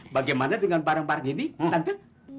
bagaimana dengan barang barang ini tante